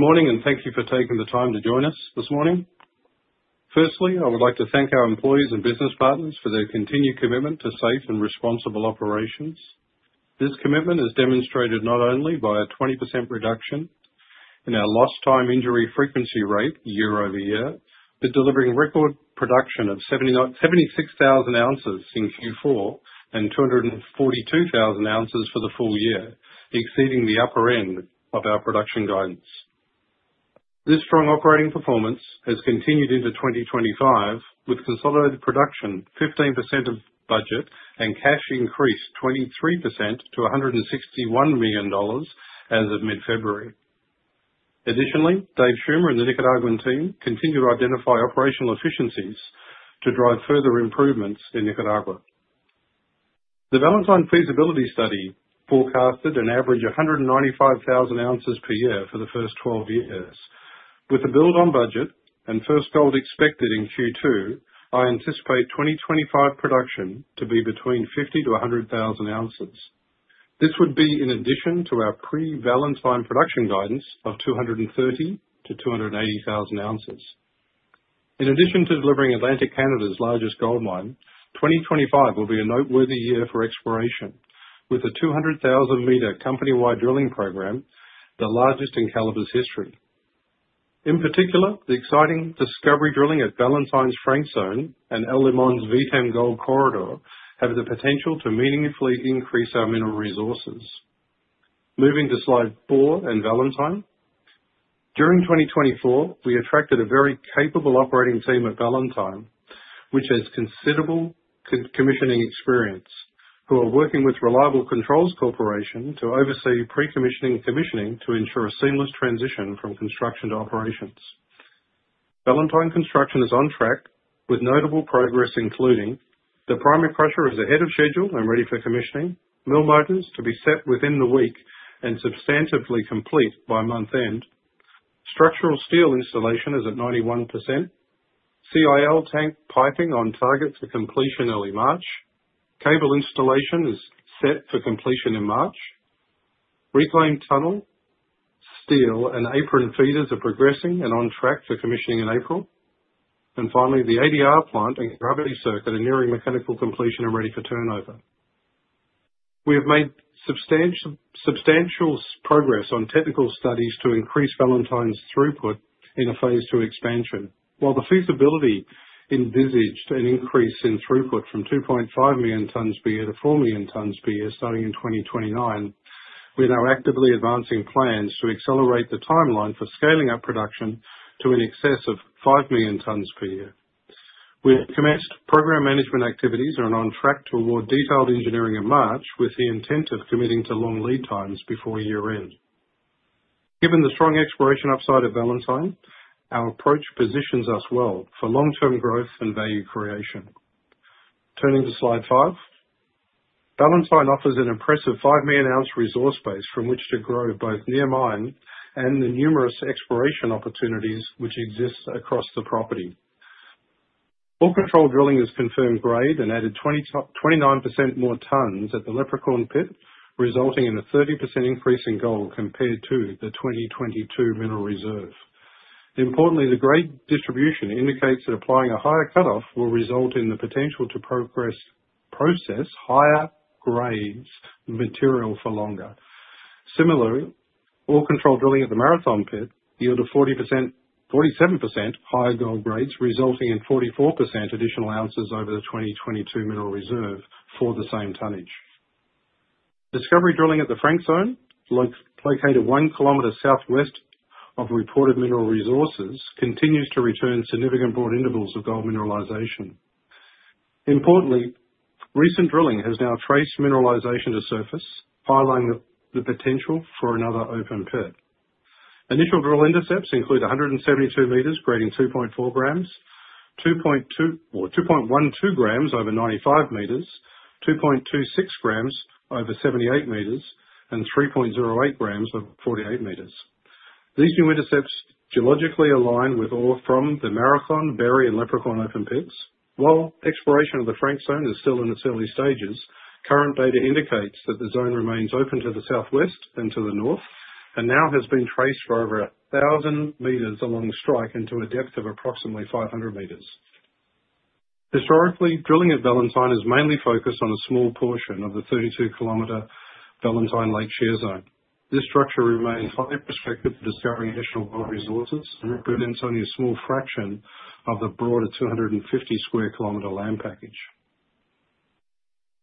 Good morning, and thank you for taking the time to join us this morning. Firstly, I would like to thank our employees and business partners for their continued commitment to safe and responsible operations. This commitment is demonstrated not only by a 20% reduction in our Lost Time Injury Frequency Rate year-over-year, but delivering record production of 76,000 ounces in Q4 and 242,000 ounces for the full year, exceeding the upper end of our production guidance. This strong operating performance has continued into 2025, with consolidated production 15% of budget and cash increase 23% to $161 million as of mid-February. Additionally, Dave Schummer and the Nicaraguan team continue to identify operational efficiencies to drive further improvements in Nicaragua. The Valentine feasibility study forecasted an average of 195,000 ounces per year for the first 12 years. With the build on budget and first gold expected in Q2, I anticipate 2025 production to be between 50,000 ounces-100,000 ounces. This would be in addition to our pre-Valentine production guidance of 230,000 ounces-280,000 ounces. In addition to delivering Atlantic Canada's largest gold mine, 2025 will be a noteworthy year for exploration, with a 200,000-meter company-wide drilling program, the largest in Calibre's history. In particular, the exciting discovery drilling at Valentine's Frank Zone and El Limon's VTEM Gold Corridor have the potential to meaningfully increase our mineral resources. Moving to slide four and Valentine. During 2024, we attracted a very capable operating team at Valentine, which has considerable commissioning experience, who are working with Reliable Controls Corporation to oversee pre-commissioning and commissioning to ensure a seamless transition from construction to operations. Valentine construction is on track with notable progress, including the primary crusher is ahead of schedule and ready for commissioning, mill motors to be set within the week and substantially complete by month-end, structural steel installation is at 91%, CIL tank piping on target for completion early March, cable installation is set for completion in March, reclaim tunnel steel and apron feeders are progressing and on track for commissioning in April, and finally, the ADR plant and gravity circuit are nearing mechanical completion and ready for turnover. We have made substantial progress on technical studies to increase Valentine's throughput in a phase II expansion. While the feasibility envisaged an increase in throughput from 2.5 million tonnes per year to four million tonnes per year starting in 2029, we're now actively advancing plans to accelerate the timeline for scaling up production to an excess of five million tonnes per year. We have commenced program management activities and are on track to award detailed engineering in March with the intent of committing to long lead times before year-end. Given the strong exploration upside of Valentine, our approach positions us well for long-term growth and value creation. Turning to slide five, Valentine offers an impressive five million ounce resource base from which to grow both near mine and the numerous exploration opportunities which exist across the property. Ore control drilling has confirmed grade and added 29% more tons at the Leprechaun Pit, resulting in a 30% increase in gold compared to the 2022 mineral reserve. Importantly, the grade distribution indicates that applying a higher cutoff will result in the potential to progress process higher grades material for longer. Similarly, ore control drilling at the Marathon Pit yielded 47% higher gold grades, resulting in 44% additional ounces over the 2022 mineral reserve for the same tonnage. Discovery drilling at the Frank Zone, located one kilometer southwest of reported mineral resources, continues to return significant broad intervals of gold mineralization. Importantly, recent drilling has now traced mineralization to surface, highlighting the potential for another open pit. Initial drill intercepts include 172 meters grading 2.4 grams, 2.12 grams over 95 meters, 2.26 grams over 78 meters, and 3.08 grams over 48 meters. These new intercepts geologically align with or from the Marathon, Berry, and Leprechaun open pits. While exploration of the Frank Zone is still in its early stages, current data indicates that the zone remains open to the southwest and to the north and now has been traced for over 1,000 meters along strike into a depth of approximately 500 meters. Historically, drilling at Valentine has mainly focused on a small portion of the 32-kilometer Valentine Lake Shear Zone. This structure remains highly prospective for discovering additional gold resources and represents only a small fraction of the broader 250-square-kilometer land package.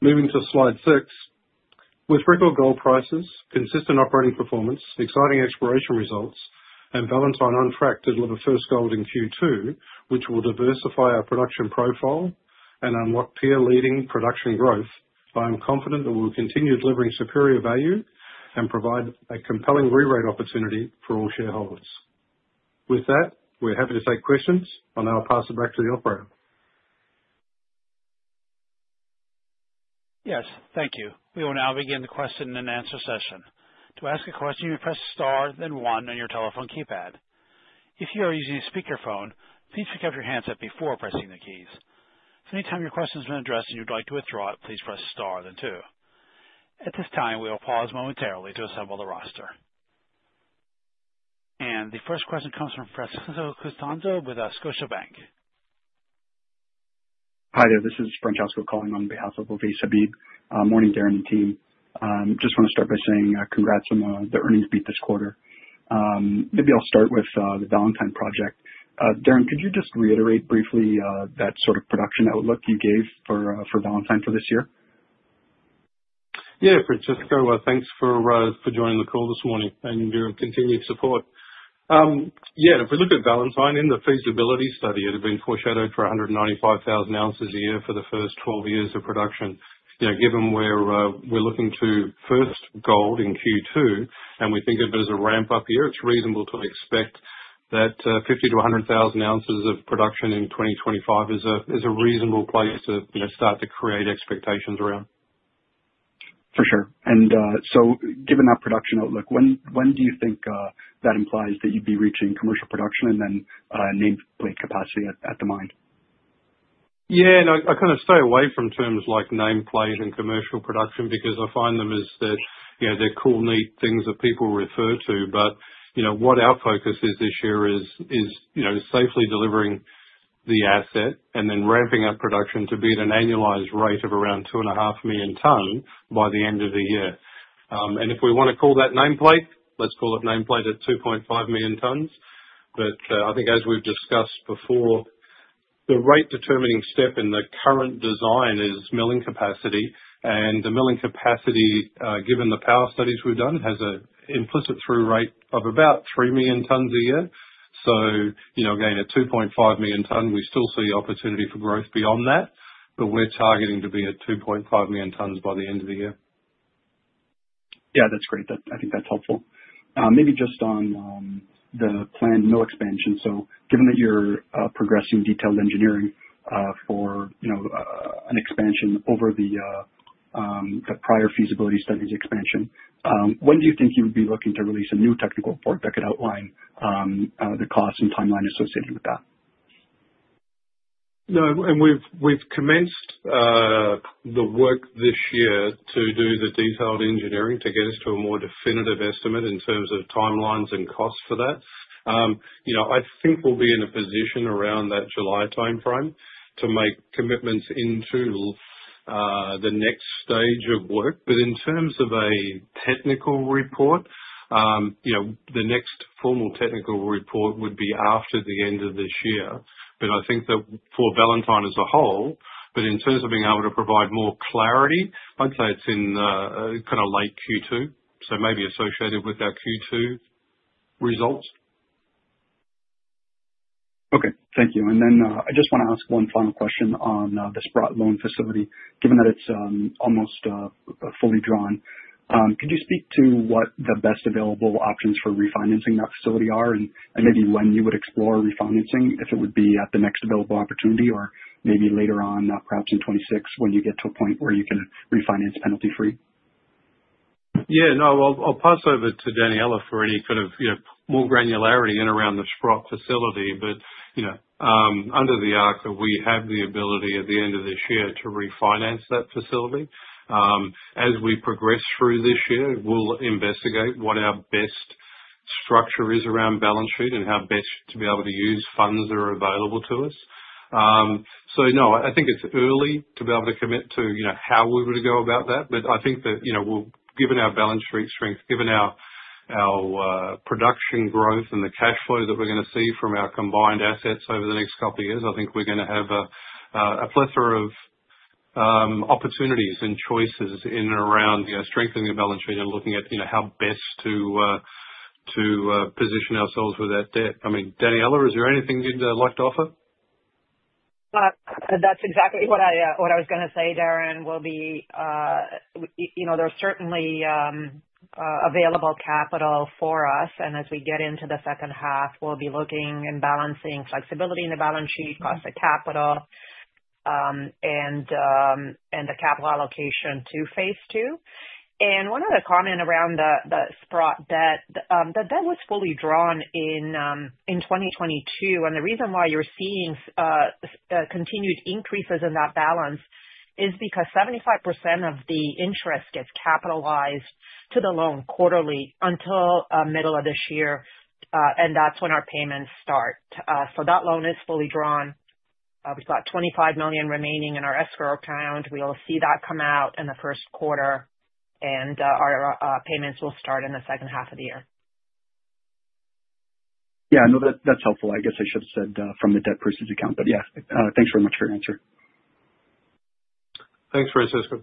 Moving to slide six, with record gold prices, consistent operating performance, exciting exploration results, and Valentine on track to deliver first gold in Q2, which will diversify our production profile and unlock peer-leading production growth, I am confident that we will continue delivering superior value and provide a compelling re-rate opportunity for all shareholders. With that, we're happy to take questions, and I'll pass it back to the operator. Yes, thank you. We will now begin the question and answer session. To ask a question, you press star then one on your telephone keypad. If you are using a speakerphone, please pick up your handset before pressing the keys. If at any time your question has been addressed and you'd like to withdraw it, please press star then two. At this time, we will pause momentarily to assemble the roster, and the first question comes from Francesco Costanzo with Scotiabank. Hi there, this is Francesco calling on behalf of Ovais Habib. Morning, Darren and team. Just want to start by saying congrats on the earnings beat this quarter. Maybe I'll start with the Valentine project. Darren, could you just reiterate briefly that sort of production outlook you gave for Valentine for this year? Yeah, Francesco, thanks for joining the call this morning and your continued support. Yeah, if we look at Valentine, in the feasibility study, it had been foreshadowed for 195,000 ounces a year for the first 12 years of production. Given where we're looking to first gold in Q2 and we think of it as a ramp-up year, it's reasonable to expect that 50,000 ounces-100,000 ounces of production in 2025 is a reasonable place to start to create expectations around. For sure. And so given that production outlook, when do you think that implies that you'd be reaching commercial production and then nameplate capacity at the mine? Yeah, and I kind of stay away from terms like nameplate and commercial production because I find them, as they're cool, neat things that people refer to. But what our focus is this year is safely delivering the asset and then ramping up production to be at an annualized rate of around 2.5 million tons by the end of the year. And if we want to call that nameplate, let's call it nameplate at 2.5 million tons. But I think as we've discussed before, the rate-determining step in the current design is milling capacity. And the milling capacity, given the power studies we've done, has an implicit through rate of about three million tons a year. So again, at 2.5 million tons, we still see opportunity for growth beyond that, but we're targeting to be at 2.5 million tons by the end of the year. Yeah, that's great. I think that's helpful. Maybe just on the planned mill expansion. So given that you're progressing detailed engineering for an expansion over the prior feasibility studies expansion, when do you think you would be looking to release a new technical report that could outline the cost and timeline associated with that? No, and we've commenced the work this year to do the detailed engineering to get us to a more definitive estimate in terms of timelines and cost for that. I think we'll be in a position around that July timeframe to make commitments into the next stage of work. But in terms of a technical report, the next formal technical report would be after the end of this year. But I think that for Valentine as a whole, but in terms of being able to provide more clarity, I'd say it's in kind of late Q2, so maybe associated with our Q2 results. Okay, thank you. And then I just want to ask one final question on the Sprott loan facility, given that it's almost fully drawn. Could you speak to what the best available options for refinancing that facility are and maybe when you would explore refinancing if it would be at the next available opportunity or maybe later on, perhaps in 2026, when you get to a point where you can refinance penalty-free? Yeah, no, I'll pass over to Daniella for any kind of more granularity in and around the Sprott facility. But under the terms, we have the ability at the end of this year to refinance that facility. As we progress through this year, we'll investigate what our best structure is around balance sheet and how best to be able to use funds that are available to us. So no, I think it's early to be able to commit to how we would go about that. But I think that given our balance sheet strength, given our production growth and the cash flow that we're going to see from our combined assets over the next couple of years, I think we're going to have a plethora of opportunities and choices in and around strengthening the balance sheet and looking at how best to position ourselves with that debt. I mean, Daniella, is there anything you'd like to offer? That's exactly what I was going to say, Darren. There's certainly available capital for us. And as we get into the second half, we'll be looking and balancing flexibility in the balance sheet, cost of capital, and the capital allocation to phase II. And one other comment around the Sprott debt, the debt was fully drawn in 2022. And the reason why you're seeing continued increases in that balance is because 75% of the interest gets capitalized to the loan quarterly until middle of this year. And that's when our payments start. So that loan is fully drawn. We've got $25 million remaining in our escrow account. We'll see that come out in the first quarter, and our payments will start in the second half of the year. Yeah, no, that's helpful. I guess I should have said from the debt purchase account. But yeah, thanks very much for your answer. Thanks, Francesco.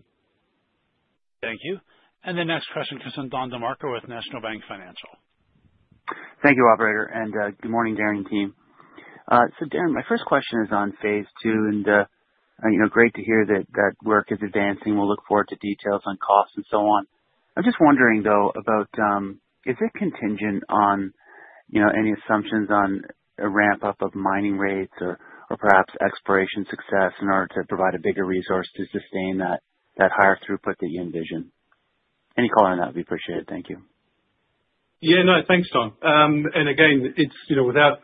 Thank you. And the next question, Don DeMarco with National Bank Financial. Thank you, Operator. And good morning, Darren and team. So Darren, my first question is on phase II. And great to hear that work is advancing. We'll look forward to details on costs and so on. I'm just wondering, though, about is it contingent on any assumptions on a ramp-up of mining rates or perhaps exploration success in order to provide a bigger resource to sustain that higher throughput that you envision? Any color on that would be appreciated. Thank you. Yeah, no, thanks, Don. And again, without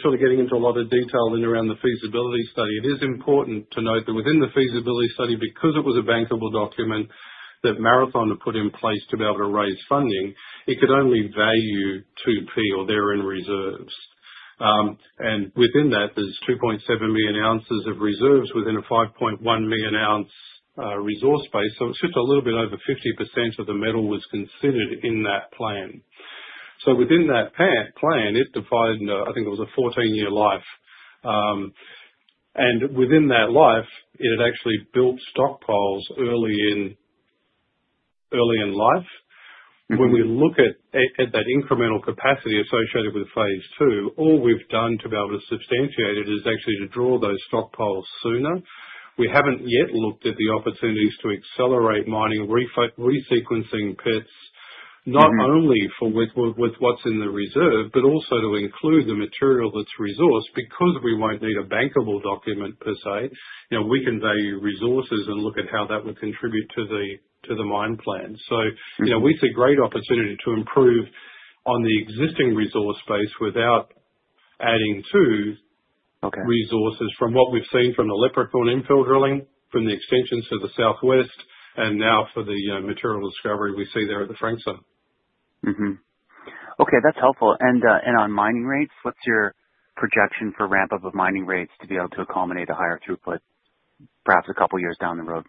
sort of getting into a lot of detail in and around the feasibility study, it is important to note that within the feasibility study, because it was a bankable document that Marathon had put in place to be able to raise funding, it could only value 2P or their own reserves. And within that, there's 2.7 million ounces of reserves within a 5.1 million ounce resource base. So it's just a little bit over 50% of the metal was considered in that plan. So within that plan, it defined, I think it was a 14-year life. And within that life, it had actually built stockpiles early in life. When we look at that incremental capacity associated with phase II, all we've done to be able to substantiate it is actually to draw those stockpiles sooner. We haven't yet looked at the opportunities to accelerate mining, resequencing pits, not only with what's in the reserve, but also to include the material that's resourced because we won't need a bankable document per se. We can value resources and look at how that would contribute to the mine plan. So it's a great opportunity to improve on the existing resource base without adding to resources from what we've seen from the Leprechaun infill drilling, from the extensions to the southwest, and now for the material discovery we see there at the Frank Zone. Okay, that's helpful. And on mining rates, what's your projection for ramp-up of mining rates to be able to accommodate a higher throughput perhaps a couple of years down the road?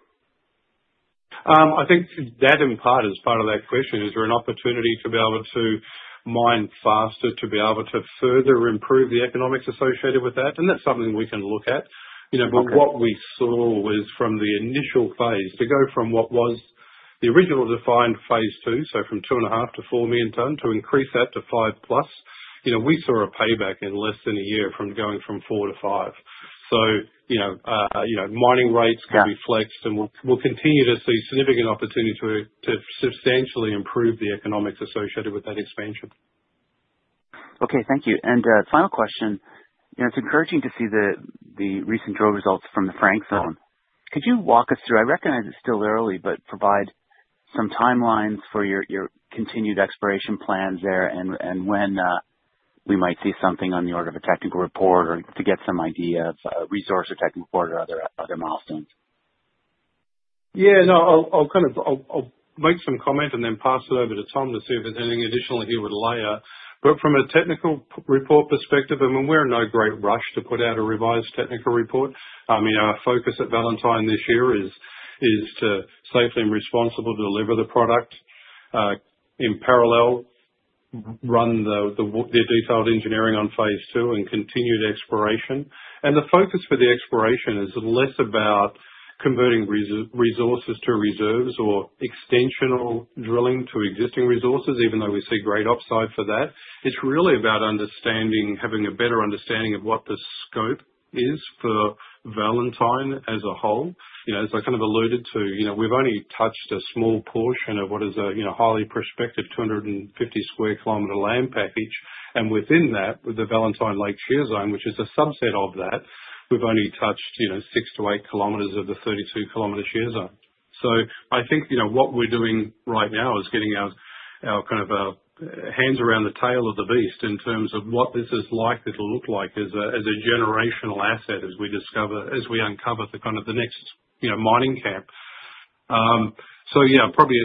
I think that in part is part of that question. Is there an opportunity to be able to mine faster to be able to further improve the economics associated with that? And that's something we can look at. But what we saw was from the initial phase to go from what was the original defined phase II, so from 2.5 to four million tons to increase that to five plus, we saw a payback in less than a year from going from four to five. So mining rates can be flexed, and we'll continue to see significant opportunity to substantially improve the economics associated with that expansion. Okay, thank you. And final question. It's encouraging to see the recent drill results from the Frank Zone. Could you walk us through, I recognize it's still early, but provide some timelines for your continued exploration plans there and when we might see something on the order of a technical report or to get some idea of resource or technical report or other milestones? Yeah, no, I'll make some comment and then pass it over to Tom to see if there's anything additional he would layer. But from a technical report perspective, I mean, we're in no great rush to put out a revised technical report. I mean, our focus at Valentine this year is to safely and responsibly deliver the product, in parallel, run the detailed engineering on phase II, and continued exploration. And the focus for the exploration is less about converting resources to reserves or extensional drilling to existing resources, even though we see great upside for that. It's really about understanding, having a better understanding of what the scope is for Valentine as a whole. As I kind of alluded to, we've only touched a small portion of what is a highly prospective 250 sq km land package. And within that, with the Valentine Lake Shear Zone, which is a subset of that, we've only touched six to eight kilometers of the 32-kilometer shear zone. So I think what we're doing right now is getting our kind of hands around the tail of the beast in terms of what this is likely to look like as a generational asset as we uncover the kind of the next mining camp. So yeah, probably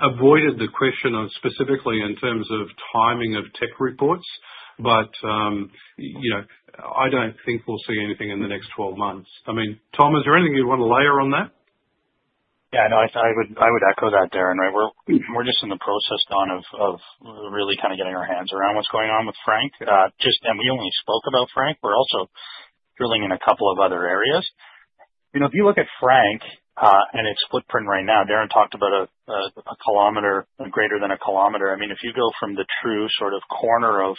avoided the question specifically in terms of timing of tech reports, but I don't think we'll see anything in the next 12 months. I mean, Tom, is there anything you'd want to layer on that? Yeah, no, I would echo that, Darren. We're just in the process, Don, of really kind of getting our hands around what's going on with Frank. And we only spoke about Frank. We're also drilling in a couple of other areas. If you look at Frank and its footprint right now, Darren talked about a kilometer and greater than a kilometer. I mean, if you go from the true sort of corner of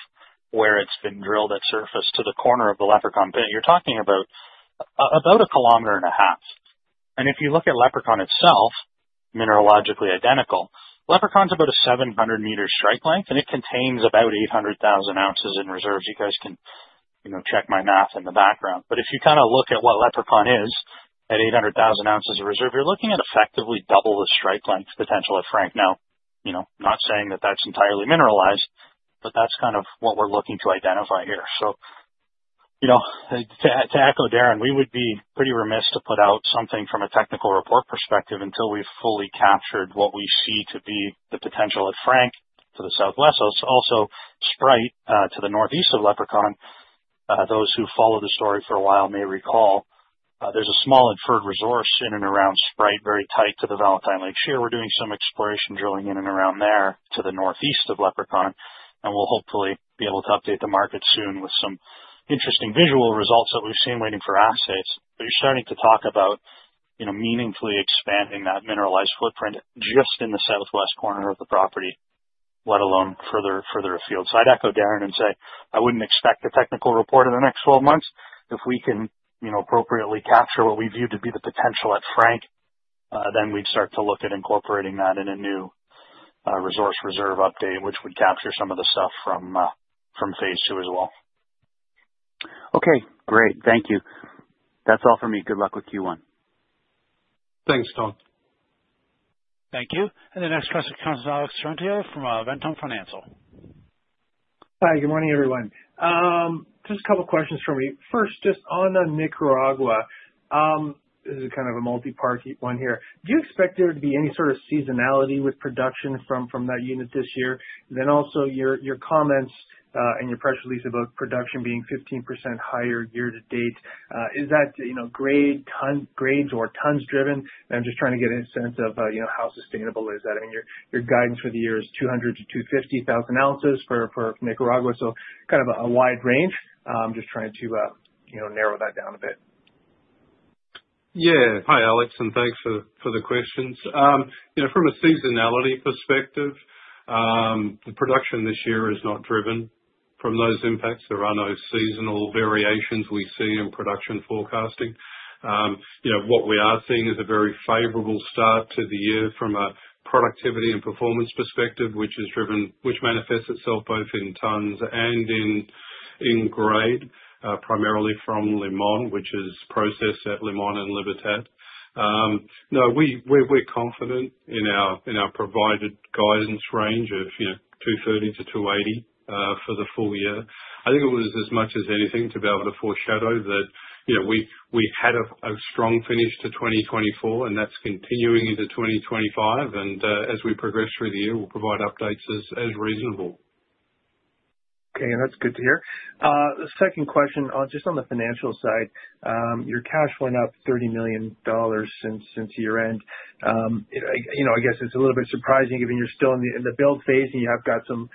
where it's been drilled at surface to the corner of the Leprechaun pit, you're talking about a kilometer and a half. And if you look at Leprechaun itself, mineralogically identical, Leprechaun's about a 700-meter strike length, and it contains about 800,000 ounces in reserves. You guys can check my math in the background. But if you kind of look at what Leprechaun is at 800,000 ounces of reserve, you're looking at effectively double the strike length potential at Frank. Now, not saying that that's entirely mineralized, but that's kind of what we're looking to identify here. So to echo Darren, we would be pretty remiss to put out something from a technical report perspective until we've fully captured what we see to be the potential at Frank to the southwest, also Sprite to the northeast of Leprechaun. Those who follow the story for a while may recall there's a small inferred resource in and around Sprite, very tight to the Valentine Lake shear. We're doing some exploration drilling in and around there to the northeast of Leprechaun. And we'll hopefully be able to update the market soon with some interesting visual results that we've seen waiting for assays. But you're starting to talk about meaningfully expanding that mineralized footprint just in the southwest corner of the property, let alone further afield. So I'd echo Darren and say I wouldn't expect a technical report in the next 12 months. If we can appropriately capture what we view to be the potential at Frank, then we'd start to look at incorporating that in a new resource reserve update, which would capture some of the stuff from phase II as well. Okay, great. Thank you. That's all for me. Good luck with Q1. Thanks, Don. Thank you, and the next question comes from Alex Terentiew from Ventum Financial. Hi, good morning, everyone. Just a couple of questions for me. First, just on Nicaragua, this is kind of a multi-part one here. Do you expect there to be any sort of seasonality with production from that unit this year? Then also your comments and your press release about production being 15% higher year to date, is that grades or tons driven? I'm just trying to get a sense of how sustainable is that. I mean, your guidance for the year is 200,000-250,000 ounces for Nicaragua, so kind of a wide range. I'm just trying to narrow that down a bit. Yeah. Hi, Alex, and thanks for the questions. From a seasonality perspective, the production this year is not driven from those impacts. There are no seasonal variations we see in production forecasting. What we are seeing is a very favorable start to the year from a productivity and performance perspective, which manifests itself both in tons and in grade, primarily from El Limon, which is processed at El Limon and La Libertad. No, we're confident in our provided guidance range of 230 to 280 for the full year. I think it was as much as anything to be able to foreshadow that we had a strong finish to 2024, and that's continuing into 2025. And as we progress through the year, we'll provide updates as reasonable. Okay, that's good to hear. The second question, just on the financial side, your cash went up $30 million since year-end. I guess it's a little bit surprising given you're still in the build phase and you have got some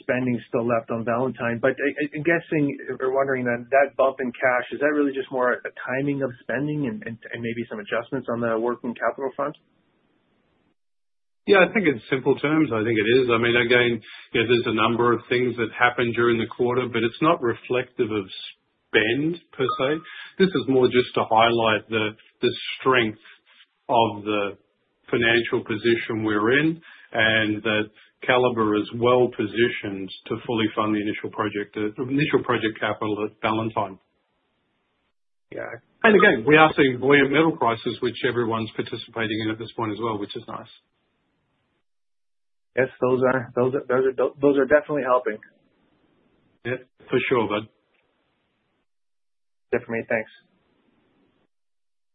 spending still left on Valentine. But I'm guessing or wondering that bump in cash, is that really just more a timing of spending and maybe some adjustments on the working capital fund? Yeah, I think in simple terms, I think it is. I mean, again, there's a number of things that happened during the quarter, but it's not reflective of spend per se. This is more just to highlight the strength of the financial position we're in and that Calibre is well positioned to fully fund the initial project capital at Valentine. Yeah. Again, we are seeing volume metal prices, which everyone's participating in at this point as well, which is nice. Yes, those are definitely helping. Yeah, for sure, bud. Good for me. Thanks.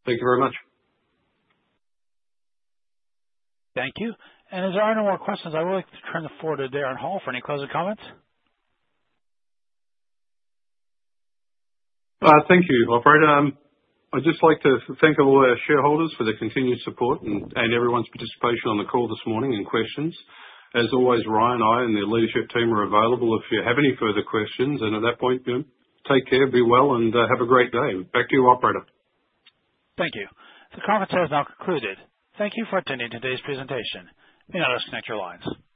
Thank you very much. Thank you. As there are no more questions, I would like to turn the floor to Darren Hall for any closing comments. Thank you, Operator. I'd just like to thank all our shareholders for the continued support and everyone's participation on the call this morning and questions. As always, Ryan and I and the leadership team are available if you have any further questions and at that point, take care, be well, and have a great day. Back to you, Operator. Thank you. The conference has now concluded. Thank you for attending today's presentation. You may now disconnect your lines.